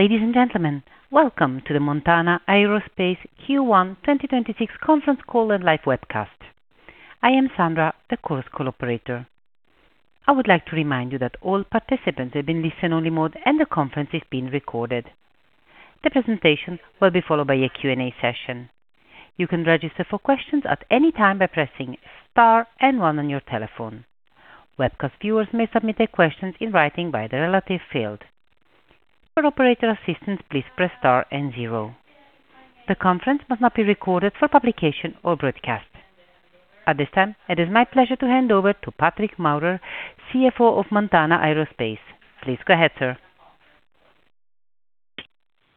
Ladies and gentlemen, welcome to the Montana Aerospace Q1 2026 conference call and live webcast. I am Sandra, the conference call operator. I would like to remind you that all participants have been listen-only mode and the conference is being recorded. The presentation will be followed by a Q&A session. You can register for questions at any time by pressing star and one on your telephone. Webcast viewers may submit their questions in writing by the relative field. For operator assistance, please press star and zero. The conference must not be recorded for publication or broadcast. At this time, it is my pleasure to hand over to Patrick Maurer, CFO of Montana Aerospace. Please go ahead, sir.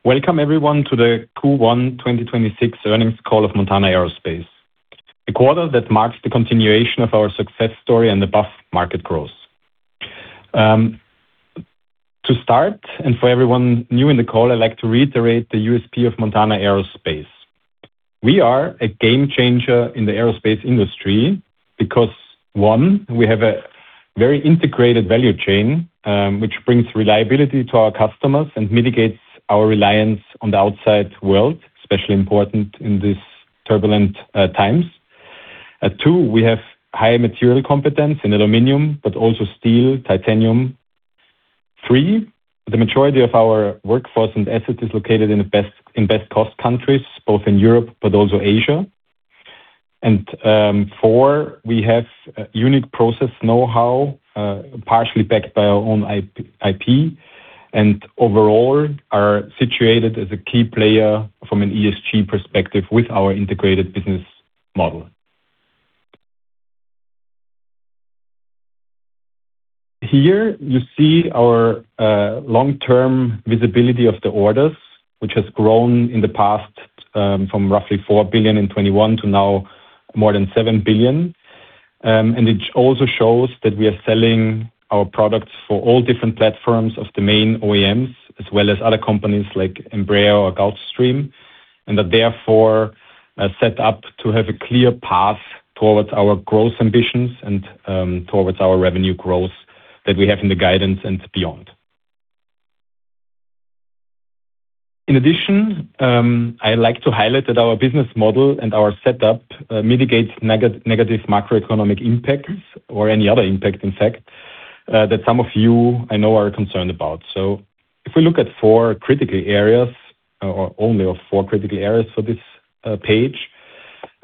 Welcome everyone to the Q1 2026 earnings call of Montana Aerospace. A quarter that marks the continuation of our success story and above market growth. To start, and for everyone new in the call, I'd like to reiterate the USP of Montana Aerospace. We are a game changer in the aerospace industry because, one, we have a very integrated value chain, which brings reliability to our customers and mitigates our reliance on the outside world, especially important in these turbulent times. Two, we have high material competence in aluminum, but also steel, titanium. Three, the majority of our workforce and assets is located in best cost countries, both in Europe but also Asia. Four, we have unique process know-how, partially backed by our own IP, and overall are situated as a key player from an ESG perspective with our integrated business model. Here you see our long-term visibility of the orders, which has grown in the past from roughly 4 billion in 2021 to now more than 7 billion. It also shows that we are selling our products for all different platforms of the main OEMs, as well as other companies like Embraer or Gulfstream. That therefore are set up to have a clear path towards our growth ambitions and towards our revenue growth that we have in the guidance and beyond. In addition, I like to highlight that our business model and our setup mitigates negative macroeconomic impacts or any other impact, in fact, that some of you I know are concerned about. If we look at four critical areas, or only of four critical areas for this page,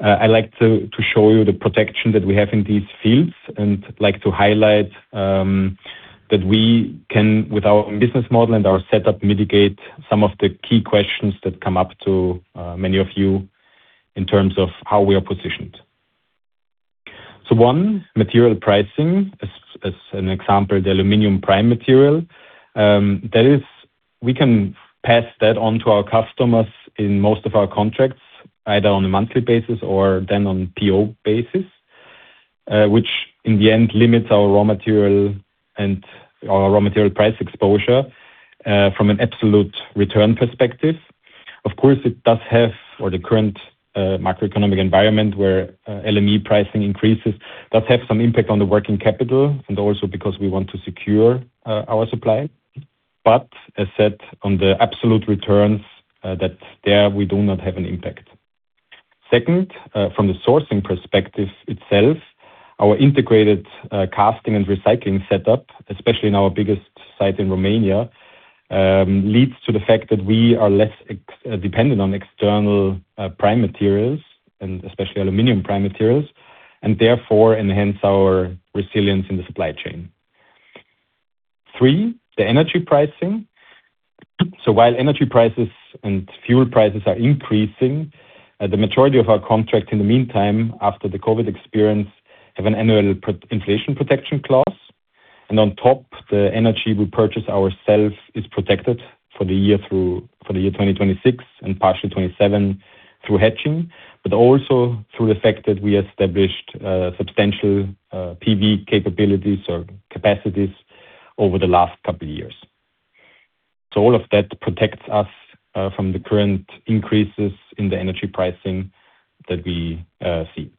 I like to show you the protection that we have in these fields and like to highlight that we can, with our business model and our setup, mitigate some of the key questions that come up to many of you in terms of how we are positioned. One, material pricing. As an example, the aluminum prime material. That is, we can pass that on to our customers in most of our contracts, either on a monthly basis or then on PO basis, which in the end limits our raw material and our raw material price exposure, from an absolute return perspective. Of course, it does have for the current macroeconomic environment where LME pricing increases, does have some impact on the working capital and also because we want to secure our supply. As said on the absolute returns, that there we do not have an impact. Second, from the sourcing perspective itself, our integrated casting and recycling setup, especially in our biggest site in Romania, leads to the fact that we are less dependent on external prime materials and especially aluminum prime materials, and therefore enhance our resilience in the supply chain. Three, the energy pricing. While energy prices and fuel prices are increasing, the majority of our contracts in the meantime, after the COVID experience, have an annual inflation protection clause. On top, the energy we purchase ourselves is protected for the year 2026 and partially 2027 through hedging, but also through the fact that we established substantial PV capabilities or capacities over the last couple of years. All of that protects us from the current increases in the energy pricing that we see.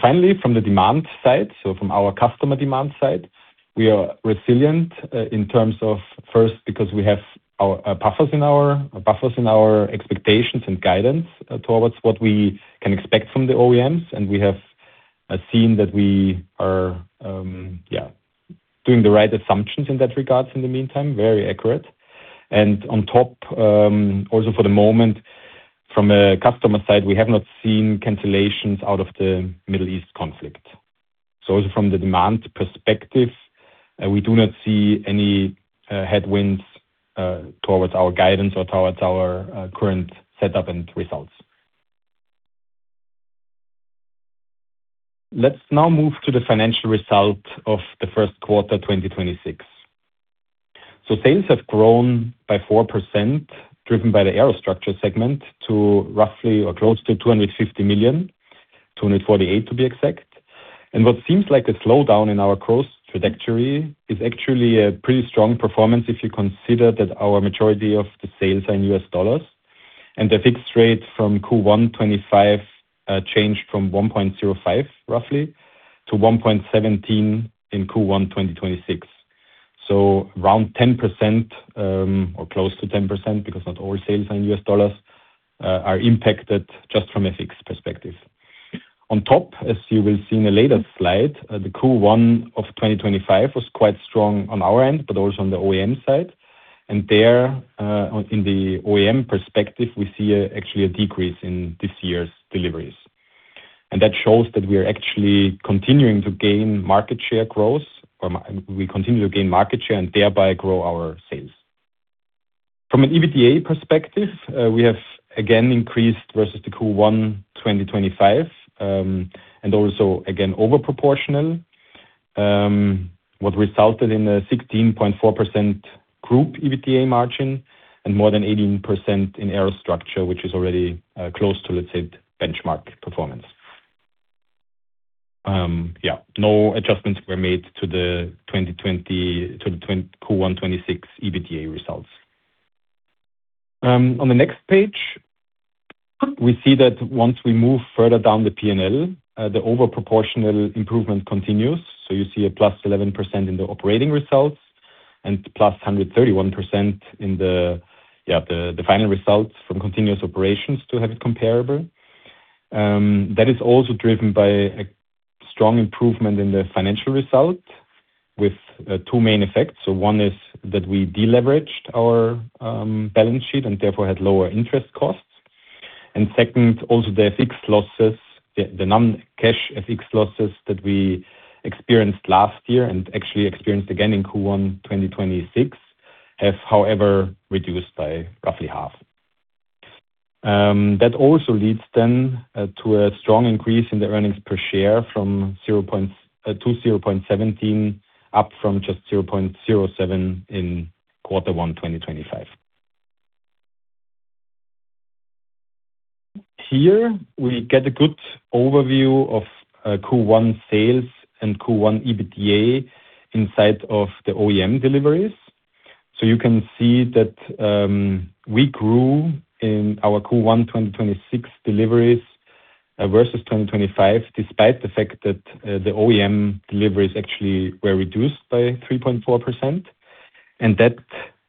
Finally, from the demand side, so from our customer demand side, we are resilient in terms of first, because we have our buffers in our expectations and guidance towards what we can expect from the OEMs. We have seen that we are doing the right assumptions in that regards in the meantime. Very accurate. On top, also for the moment, from a customer side, we have not seen cancellations out of the Middle East conflict. From the demand perspective, we do not see any headwinds towards our guidance or towards our current setup and results. Let's now move to the financial result of the first quarter 2026. Sales have grown by 4%, driven by the aerostructures segment to roughly or close to 250 million, 248 to be exact. What seems like a slowdown in our growth trajectory is actually a pretty strong performance if you consider that our majority of the sales are in US dollars. The fixed rate from Q1 2025 changed from 1.05 roughly to 1.17 in Q1 2026. Around 10%, or close to 10% because not all sales are in US dollars, are impacted just from a fixed perspective. On top, as you will see in a later slide, the Q1 2025 was quite strong on our end, but also on the OEM side. There, in the OEM perspective, we see actually a decrease in this year's deliveries. That shows that we are actually continuing to gain market share growth. We continue to gain market share and thereby grow our sales. From an EBITDA perspective, we have again increased versus the Q1 2025, and also again over proportional, what resulted in a 16.4% group EBITDA margin and more than 18% in aerostructures, which is already close to, let's say, benchmark performance. No adjustments were made to the Q1 2026 EBITDA results. On the next page, we see that once we move further down the P&L, the over proportional improvement continues. You see a +11% in the operating results and +131% in the final results from continuous operations to have it comparable. That is also driven by a strong improvement in the financial result with two main effects. One is that we deleveraged our balance sheet and therefore had lower interest costs. Second, also the fixed losses, the non-cash FX losses that we experienced last year and actually experienced again in Q1 2026 have, however, reduced by roughly half. That also leads then to a strong increase in the earnings per share to 0.17 up from just 0.07 in Q1 2025. We get a good overview of Q1 sales and Q1 EBITDA inside of the OEM deliveries. You can see that we grew in our Q1 2026 deliveries versus 2025, despite the fact that the OEM deliveries actually were reduced by 3.4%. That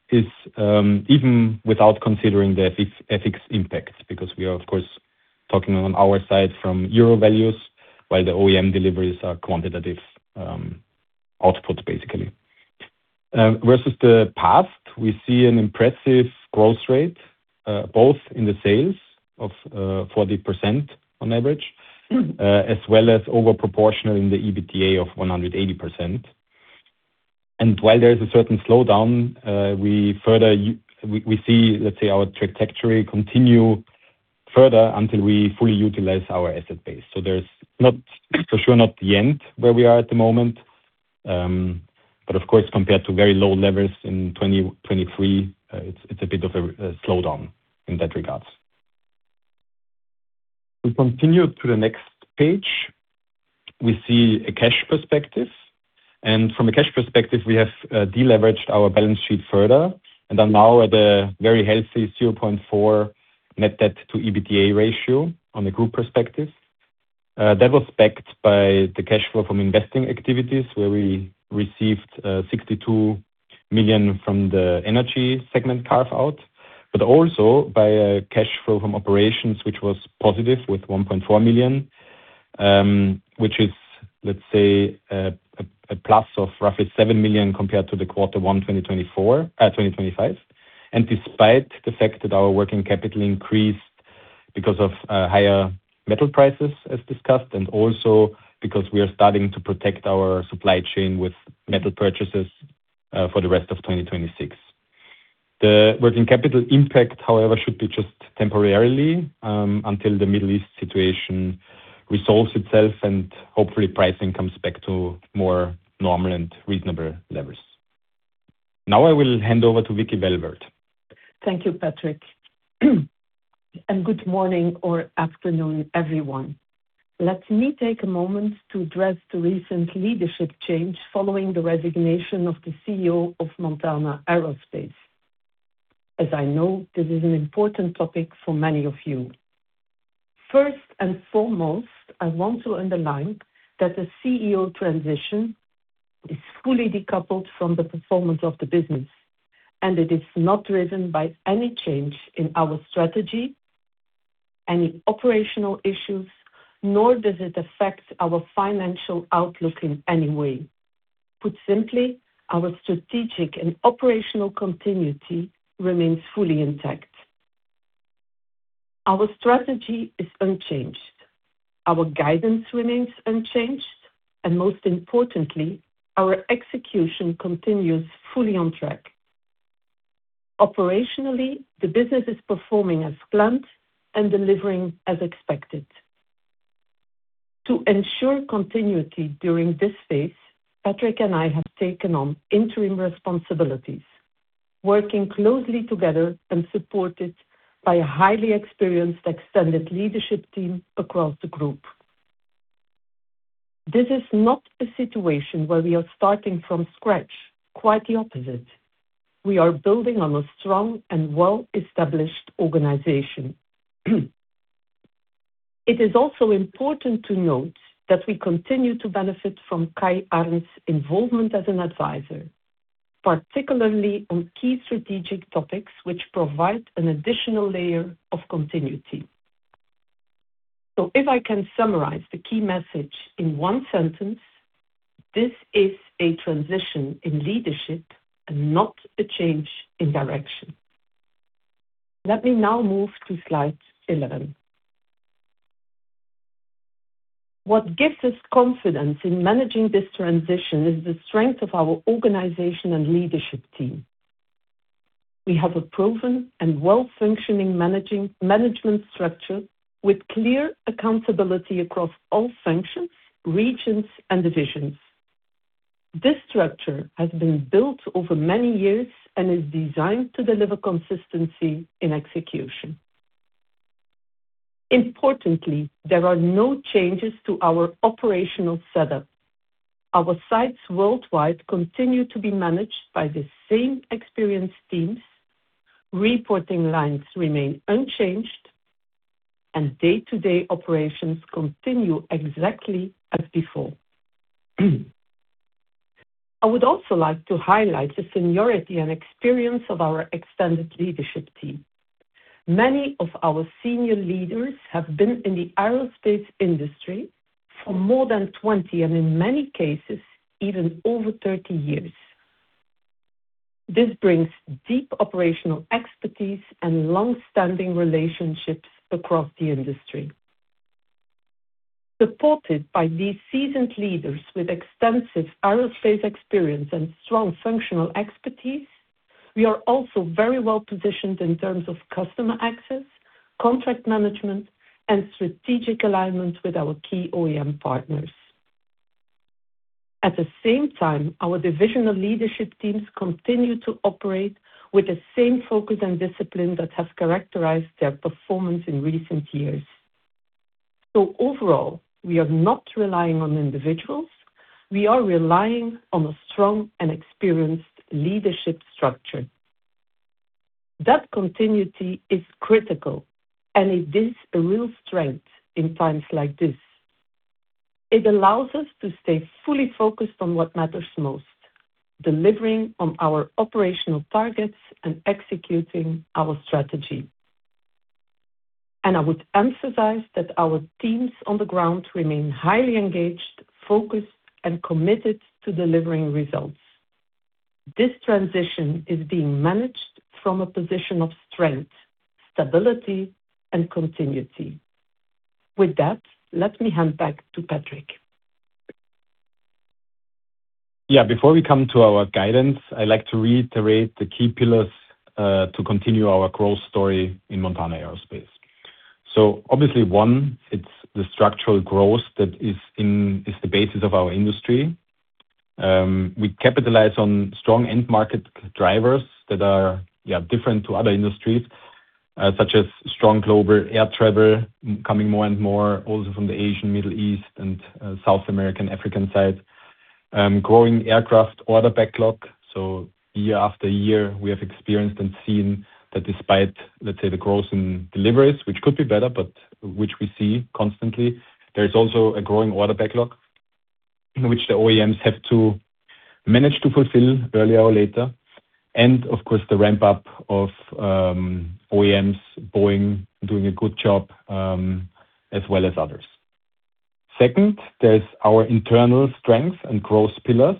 is, even without considering the FX impact, because we are, of course, talking on our side from euro values, while the OEM deliveries are quantitative output, basically. Versus the past, we see an impressive growth rate, both in the sales of 40% on average, as well as over proportional in the EBITDA of 180%. While there is a certain slowdown, we see, let's say, our trajectory continue further until we fully utilize our asset base. There's not for sure, not the end where we are at the moment, but of course, compared to very low levels in 2023, it's a bit of a slowdown in that regard. We continue to the next page. We see a cash perspective. From a cash perspective, we have deleveraged our balance sheet further and are now at a very healthy 0.4 net debt to EBITDA ratio on the group perspective. That was backed by the cash flow from investing activities where we received 62 million from the energy segment carve-out, also by a cash flow from operations, which was positive with 1.4 million, which is, let's say, a plus of roughly 7 million compared to Q1 2025. Despite the fact that our working capital increased because of higher metal prices as discussed, also because we are starting to protect our supply chain with metal purchases for the rest of 2026. The working capital impact, however, should be just temporarily until the Middle East situation resolves itself and hopefully pricing comes back to more normal and reasonable levels. I will hand over to Vicky Welvaert. Thank you, Patrick. Good morning or afternoon, everyone. Let me take a moment to address the recent leadership change following the resignation of the CEO of Montana Aerospace, as I know this is an important topic for many of you. First and foremost, I want to underline that the CEO transition is fully decoupled from the performance of the business, and it is not driven by any change in our strategy, any operational issues, nor does it affect our financial outlook in any way. Put simply, our strategic and operational continuity remains fully intact. Our strategy is unchanged, our guidance remains unchanged, and most importantly, our execution continues fully on track. Operationally, the business is performing as planned and delivering as expected. To ensure continuity during this phase, Patrick and I have taken on interim responsibilities, working closely together and supported by a highly experienced extended leadership team across the group. This is not a situation where we are starting from scratch. Quite the opposite. We are building on a strong and well-established organization. It is also important to note that we continue to benefit from Kai Arndt's involvement as an advisor, particularly on key strategic topics which provide an an additional layer of continuity. If I can summarize the key message in one sentence, this is a transition in leadership and not a change in direction. Let me now move to slide 11. What gives us confidence in managing this transition is the strength of our organization and leadership team. We have a proven and well-functioning management structure with clear accountability across all functions, regions, and divisions. This structure has been built over many years and is designed to deliver consistency in execution. Importantly, there are no changes to our operational setup. Our sites worldwide continue to be managed by the same experienced teams, reporting lines remain unchanged, and day-to-day operations continue exactly as before. I would also like to highlight the seniority and experience of our extended leadership team. Many of our senior leaders have been in the aerospace industry for more than 20, and in many cases, even over 30 years. This brings deep operational expertise and long-standing relationships across the industry. Supported by these seasoned leaders with extensive aerospace experience and strong functional expertise, we are also very well-positioned in terms of customer access, contract management, and strategic alignment with our key OEM partners. At the same time, our divisional leadership teams continue to operate with the same focus and discipline that has characterized their performance in recent years. Overall, we are not relying on individuals, we are relying on a strong and experienced leadership structure. That continuity is critical, and it is a real strength in times like this. It allows us to stay fully focused on what matters most, delivering on our operational targets and executing our strategy. I would emphasize that our teams on the ground remain highly engaged, focused, and committed to delivering results. This transition is being managed from a position of strength, stability and continuity. With that, let me hand back to Patrick. Yeah, before we come to our guidance, I like to reiterate the key pillars to continue our growth story in Montana Aerospace. Obviously, one, it's the structural growth that is the basis of our industry. We capitalize on strong end market drivers that are, yeah, different to other industries, such as strong global air travel coming more and more also from the Asian, Middle East and South American, African side. Growing aircraft order backlog. Year after year, we have experienced and seen that despite, let's say, the growth in deliveries, which could be better, but which we see constantly, there is also a growing order backlog in which the OEMs have to manage to fulfill earlier or later. Of course, the ramp up of OEMs, Boeing doing a good job, as well as others. Second, there's our internal strength and growth pillars,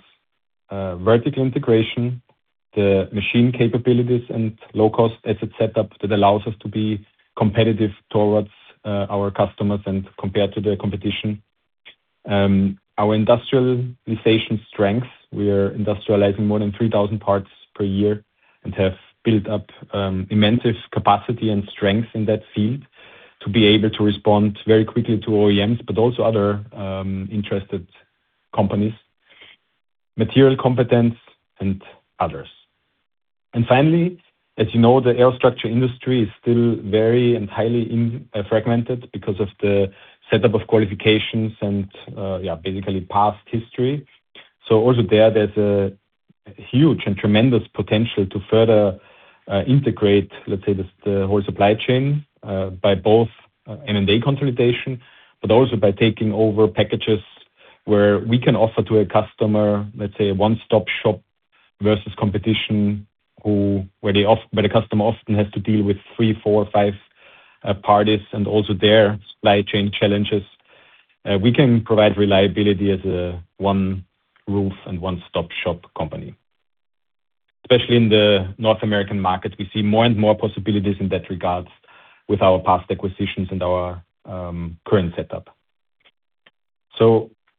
vertical integration, the machine capabilities and low cost asset setup that allows us to be competitive towards our customers and compared to the competition. Our industrialization strength, we are industrializing more than 3,000 parts per year and have built up inventive capacity and strength in that field to be able to respond very quickly to OEMs, but also other interested companies, material competence and others. Finally, as you know, the aerostructure industry is still very and highly fragmented because of the setup of qualifications and, yeah, basically past history. Also there's a huge and tremendous potential to further integrate, let's say, the whole supply chain by both M&A consolidation, but also by taking over packages where we can offer to a customer, let's say, a one-stop-shop versus competition, where the customer often has to deal with three, four, five parties and also their supply chain challenges. We can provide reliability as a one roof and one-stop-shop company. Especially in the North American market, we see more and more possibilities in that regard with our past acquisitions and our current setup.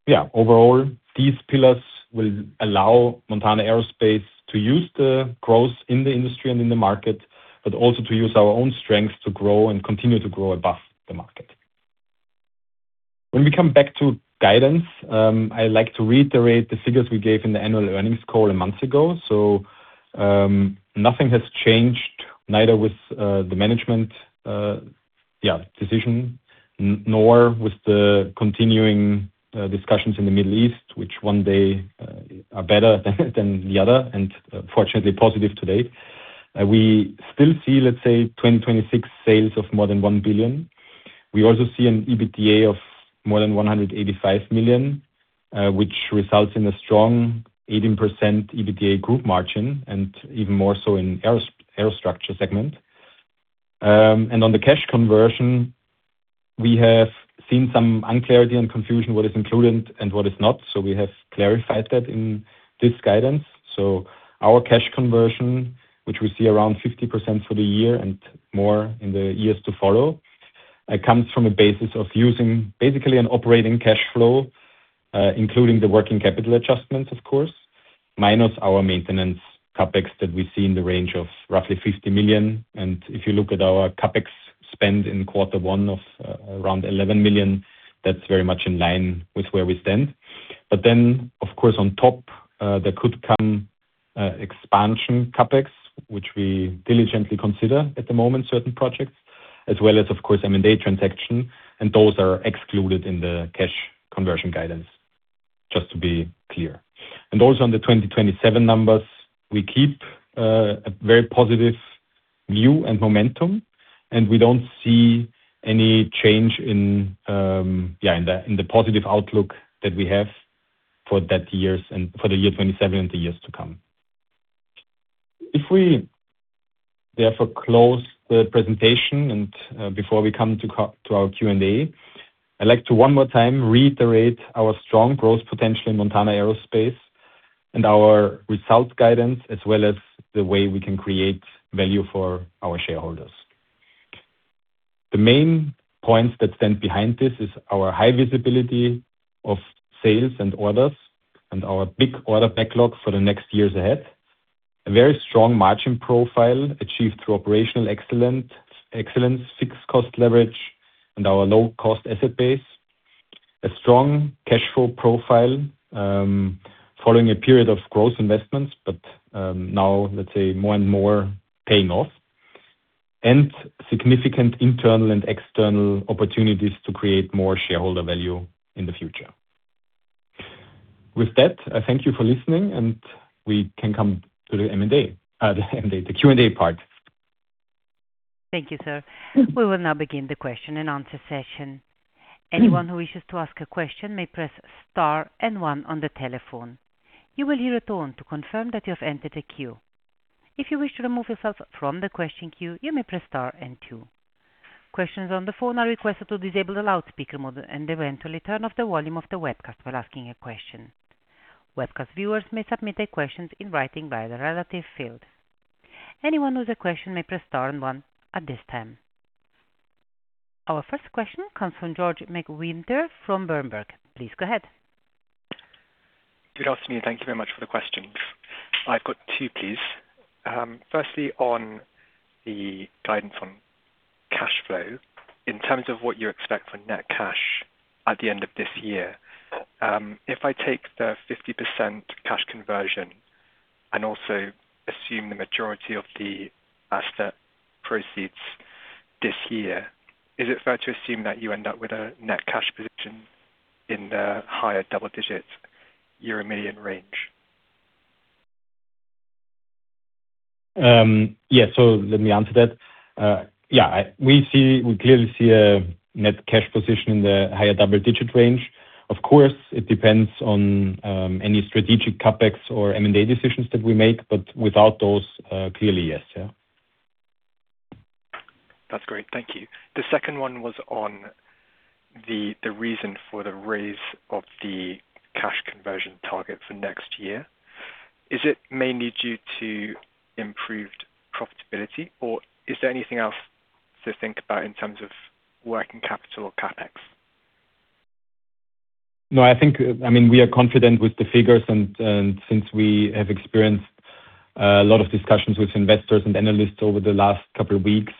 Yeah, overall, these pillars will allow Montana Aerospace to use the growth in the industry and in the market, but also to use our own strengths to grow and continue to grow above the market. When we come back to guidance, I like to reiterate the figures we gave in the annual earnings call a month ago. Nothing has changed neither with the management decision nor with the continuing discussions in the Middle East, which one day are better than the other and fortunately positive today. We still see, let's say, 2026 sales of more than 1 billion. We also see an EBITDA of more than 185 million, which results in a strong 18% EBITDA group margin and even more so in aerostructures segment. On the cash conversion, we have seen some unclarity and confusion, what is included and what is not. We have clarified that in this guidance. Our cash conversion, which we see around 50% for the year and more in the years to follow, comes from a basis of using basically an operating cash flow, including the working capital adjustments, of course, minus our maintenance CapEx that we see in the range of roughly 50 million. If you look at our CapEx spend in Q1 of around 11 million, that's very much in line with where we stand. Of course, on top, there could come expansion CapEx, which we diligently consider at the moment, certain projects, as well as, of course, M&A transaction, and those are excluded in the cash conversion guidance, just to be clear. Also on the 2027 numbers, we keep a very positive view and momentum, and we don't see any change in the positive outlook that we have for that years and for the year 27 and the years to come. Therefore close the presentation and before we come to our Q&A, I'd like to one more time reiterate our strong growth potential in Montana Aerospace and our results guidance, as well as the way we can create value for our shareholders. The main points that stand behind this is our high visibility of sales and orders and our big order backlog for the next years ahead. A very strong margin profile achieved through operational excellence, fixed cost leverage, and our low-cost asset base. A strong cash flow profile, following a period of growth investments, but, now, let's say, more and more paying off. Significant internal and external opportunities to create more shareholder value in the future. With that, I thank you for listening, and we can come to the M&A. The Q&A part. Thank you, sir. We will now begin the question and answer session. Anyone who wishes to ask a question may press star and one on the telephone. You will hear a tone to confirm that you have entered a queue. If you wish to remove yourself from the question queue, you may press star and two. Questions on the phone are requested to disable the loudspeaker mode and eventually turn off the volume of the webcast while asking a question. Webcast viewers may submit their questions in writing via the relative field. Anyone with a question may press star and one at this time. Our first question comes from George McWhirter from Berenberg. Please go ahead. Good afternoon. Thank you very much for the questions. I've got two, please. Firstly, on the guidance on cash flow, in terms of what you expect for net cash at the end of this year, if I take the 50% cash conversion and also assume the majority of the asset proceeds this year, is it fair to assume that you end up with a net cash position in the higher double-digit euro million range? Yeah. Let me answer that. Yeah, we clearly see a net cash position in the higher double-digit range. Of course, it depends on any strategic CapEx or M&A decisions that we make, but without those, clearly, yes. Yeah. That's great. Thank you. The second one was on the reason for the raise of the cash conversion target for next year. Is it mainly due to improved profitability, or is there anything else to think about in terms of working capital or CapEx? No, I think, I mean, we are confident with the figures, and since we have experienced a lot of discussions with investors and analysts over the last couple of weeks,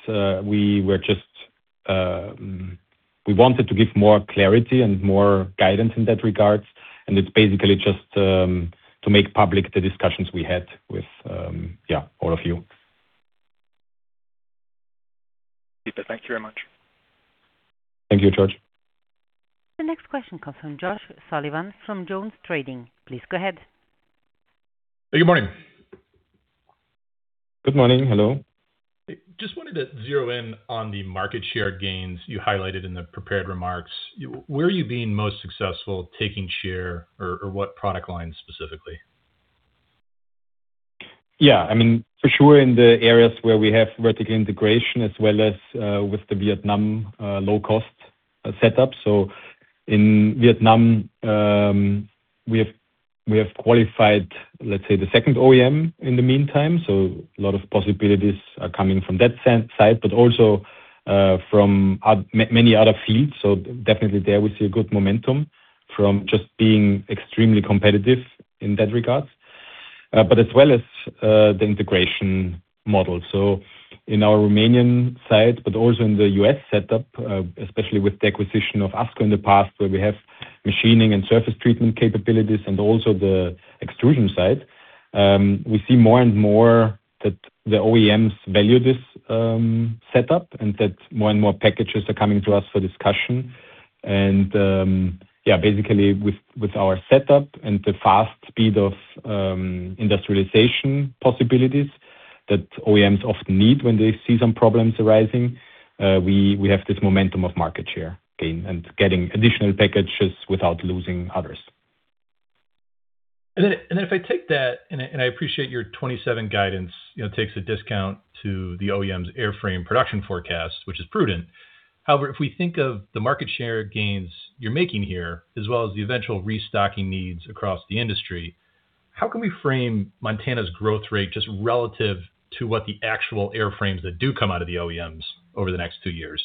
we wanted to give more clarity and more guidance in that regards. It's basically just to make public the discussions we had with, yeah, all of you. Super. Thank you very much. Thank you, George. The next question comes from Josh Sullivan from JonesTrading. Please go ahead. Good morning. Good morning. Hello. Just wanted to zero in on the market share gains you highlighted in the prepared remarks. Where are you being most successful taking share or what product line specifically? Yeah. I mean, for sure in the areas where we have vertical integration as well as with the Vietnam low cost setup. In Vietnam, we have qualified, let's say, the second OEM in the meantime. A lot of possibilities are coming from that side, but also from many other fields. Definitely there we see a good momentum from just being extremely competitive in that regards, but as well as the integration model. In our Romanian site, but also in the U.S. setup, especially with the acquisition of ASCO in the past, where we have machining and surface treatment capabilities and also the extrusion side, we see more and more that the OEMs value this setup and that more and more packages are coming to us for discussion. Yeah, basically with our setup and the fast speed of industrialization possibilities that OEMs often need when they see some problems arising, we have this momentum of market share gain and getting additional packages without losing others. Then if I take that, and I appreciate your 27 guidance, you know, takes a discount to the OEM's airframe production forecast, which is prudent. However, if we think of the market share gains you're making here, as well as the eventual restocking needs across the industry, how can we frame Montana's growth rate just relative to what the actual airframes that do come out of the OEMs over the next two years?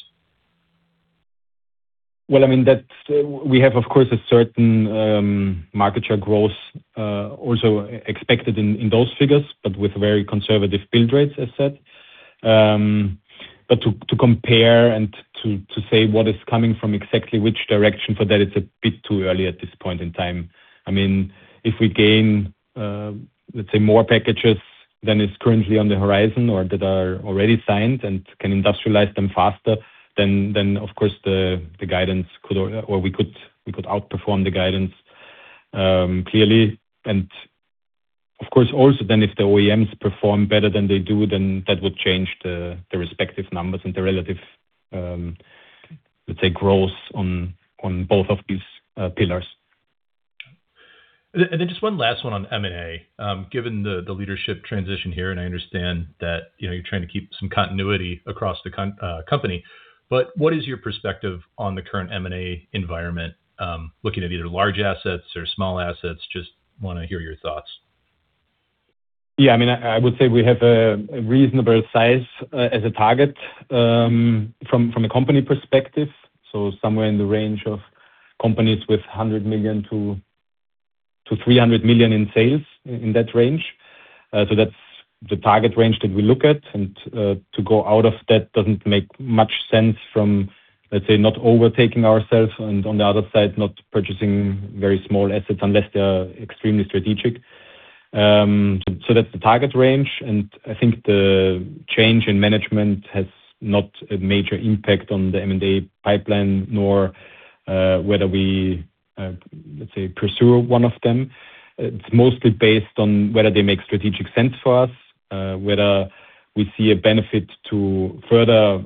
Well, I mean, we have, of course, a certain market share growth also expected in those figures, but with very conservative build rates, as said. To compare and to say what is coming from exactly which direction for that, it's a bit too early at this point in time. I mean, if we gain, let's say, more packages than is currently on the horizon or that are already signed and can industrialize them faster, then of course the guidance could or we could outperform the guidance clearly. Of course, also then if the OEMs perform better than they do, then that would change the respective numbers and the relative, let's say, growth on both of these pillars. Just one last one on M&A. Given the leadership transition here, and I understand that, you know, you're trying to keep some continuity across the company, but what is your perspective on the current M&A environment, looking at either large assets or small assets? Just wanna hear your thoughts. I mean, I would say we have a reasonable size as a target from a company perspective, somewhere in the range of companies with 100 million-300 million in sales, in that range. That's the target range that we look at. To go out of that doesn't make much sense from, let's say, not overtaking ourselves, and on the other side, not purchasing very small assets unless they are extremely strategic. That's the target range. I think the change in management has not a major impact on the M&A pipeline, nor whether we, let's say, pursue one of them. It's mostly based on whether they make strategic sense for us, whether we see a benefit to further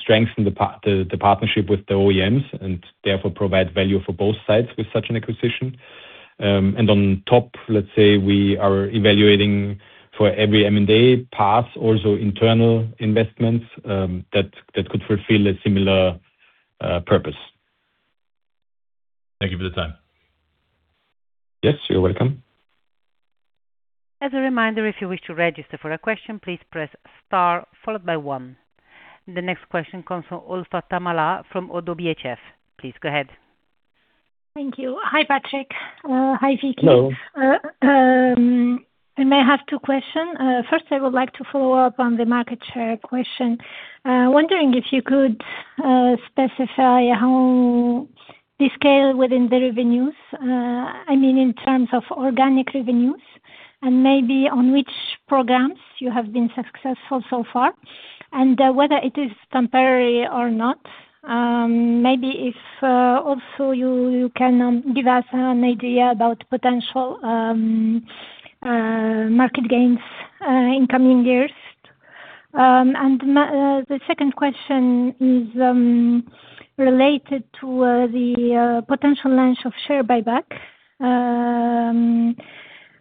strengthen the partnership with the OEMs, and therefore provide value for both sides with such an acquisition. On top, let's say we are evaluating for every M&A path, also internal investments that could fulfill a similar purpose. Thank you for the time. Yes, you're welcome. As a reminder, if you wish to register for a question, please press Star followed by one. The next question comes from Olfa Taamallah from ODDO BHF. Please go ahead. Thank you. Hi, Patrick. Hi, Vicky. Hello. I may have two questions. First, I would like to follow up on the market share question. Wondering if you could specify how the scale within the revenues, I mean in terms of organic revenues and maybe on which programs you have been successful so far, and whether it is temporary or not. Maybe if also you can give us an idea about potential market gains in coming years. The second question is related to the potential launch of share buyback.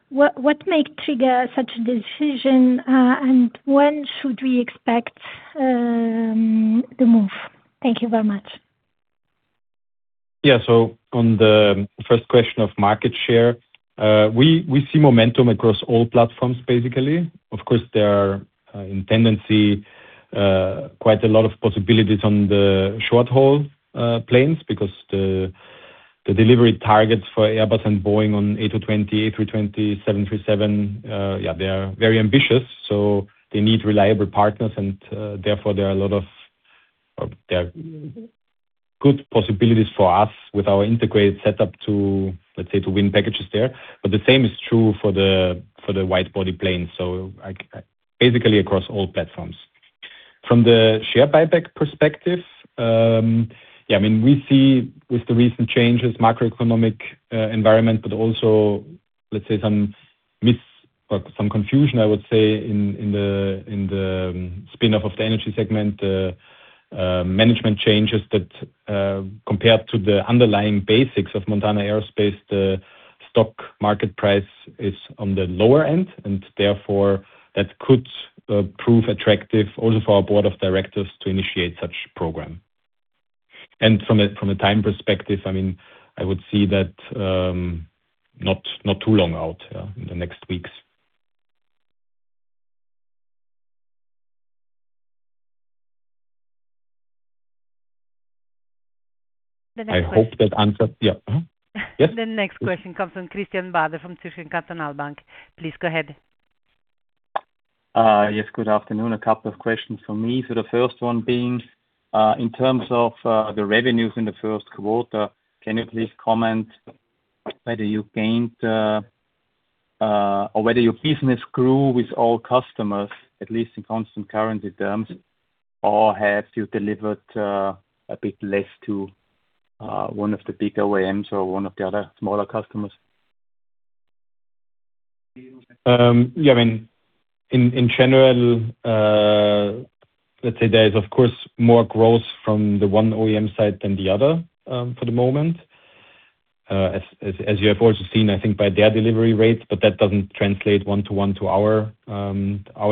What may trigger such a decision, and when should we expect the move? Thank you very much. On the first question of market share, we see momentum across all platforms, basically. Of course, there are in tendency quite a lot of possibilities on the short-haul planes because the delivery targets for Airbus and Boeing on A320, 737, they are very ambitious, so they need reliable partners and therefore there are a lot of good possibilities for us with our integrated setup to, let's say, to win packages there. The same is true for the wide-body planes, like basically across all platforms. From the share buyback perspective, I mean, we see with the recent changes macroeconomic environment, but also, let’s say some miss or some confusion, I would say in the spin-off of the energy segment, the management changes that compared to the underlying basics of Montana Aerospace, the stock market price is on the lower end, and therefore that could prove attractive also for our board of directors to initiate such program. From a time perspective, I mean, I would see that not too long out in the next weeks. The next question. I hope that answers. Yeah. Yes? The next question comes from Christian Bader, from Zürcher Kantonalbank. Please go ahead. Yes. Good afternoon. A couple of questions from me. The first one being, in terms of the revenues in the first quarter, can you please comment whether you gained or whether your business grew with all customers, at least in constant currency terms? Or have you delivered a bit less to one of the bigger OEMs or one of the other smaller customers? Yeah. I mean, in general, let's say there is, of course, more growth from the one OEM side than the other for the moment. As you have also seen, I think, by their delivery rates, but that doesn't translate one to one to our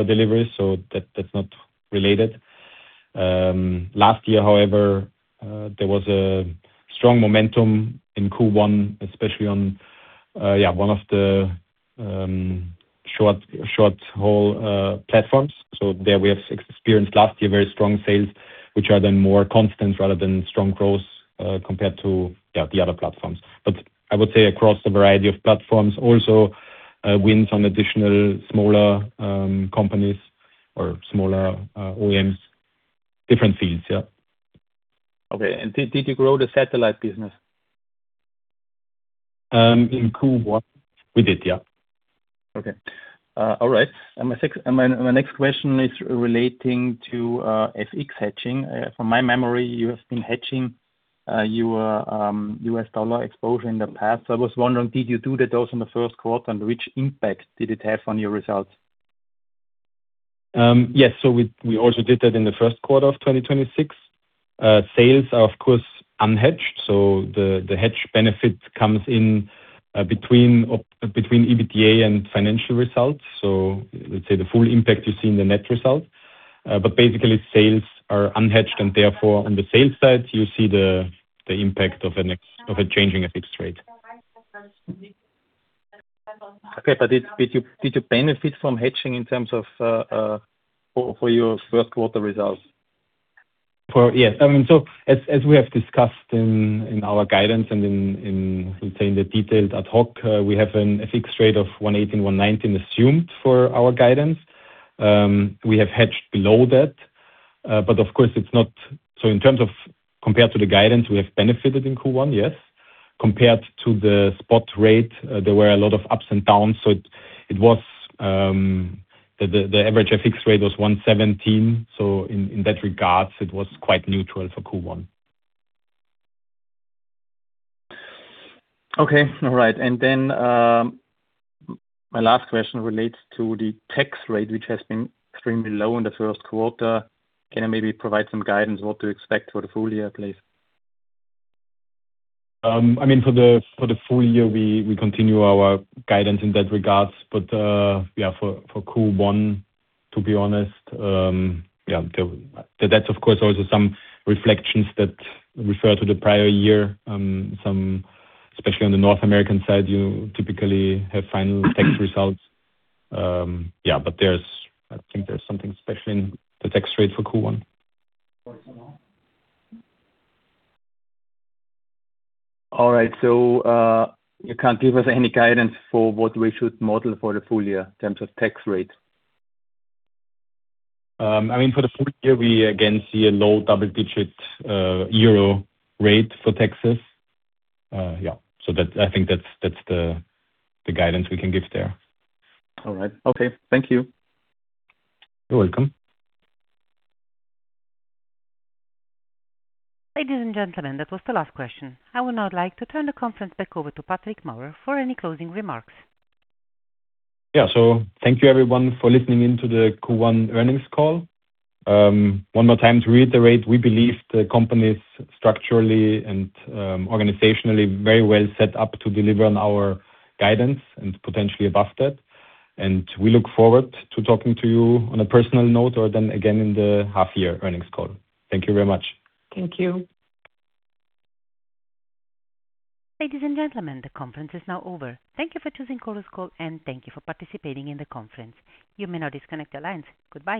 deliveries, so that's not related. Last year, however, there was a strong momentum in Q1, especially on, yeah, one of the short haul platforms. There we have experienced last year very strong sales, which are then more constant rather than strong growth compared to, yeah, the other platforms. I would say across the variety of platforms also, wins on additional smaller companies or smaller OEMs. Different scenes. Yeah. Okay. Did you grow the satellite business? In Q1? We did, yeah. Okay. All right. My next question is relating to FX hedging. From my memory, you have been hedging your US dollar exposure in the past. I was wondering, did you do that also in the first quarter, and which impact did it have on your results? Yes. We also did that in the first quarter of 2026. Sales are, of course, unhedged, the hedge benefit comes in between EBITDA and financial results. Let's say the full impact you see in the net result. Basically, sales are unhedged and therefore on the sales side you see the impact of a changing FX rate. Okay. Did you benefit from hedging in terms of for your first quarter results? Yes. I mean, as we have discussed in our guidance and in, let's say, in the detailed ad hoc, we have an FX rate of 1.18, 1.19 assumed for our guidance. We have hedged below that. Of course it's not. In terms of compared to the guidance, we have benefited in Q1, yes. Compared to the spot rate, there were a lot of ups and downs, so it was the average FX rate was 1.17. In that regards, it was quite neutral for Q1. Okay. All right. My last question relates to the tax rate, which has been extremely low in the first quarter. Can you maybe provide some guidance on what to expect for the full year, please? I mean, for the, for the full year, we continue our guidance in that regards. Yeah, for Q1, to be honest, yeah, the, that's of course also some reflections that refer to the prior year. Some, especially on the North American side, you typically have final tax results. Yeah, I think there's something special in the tax rate for Q1. All right. You can't give us any guidance for what we should model for the full year in terms of tax rate? I mean, for the full year, we again see a low double-digit euro rate for taxes. Yeah. That's, I think that's the guidance we can give there. All right. Okay. Thank you. You're welcome. Ladies and gentlemen, that was the last question. I would now like to turn the conference back over to Patrick Maurer for any closing remarks. Thank you everyone for listening in to the Q1 earnings call. One more time to reiterate, we believe the company is structurally and organizationally very well set up to deliver on our guidance and potentially above that. We look forward to talking to you on a personal note or then again in the half year earnings call. Thank you very much. Thank you. Ladies and gentlemen, the conference is now over. Thank you for choosing Conference Call, and thank you for participating in the conference. You may now disconnect your lines. Goodbye.